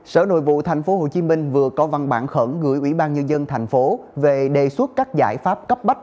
sở nội vụ tp hcm vừa có văn bản khẩn gửi ủy ban nhân dân tp về đề xuất các giải pháp cấp bách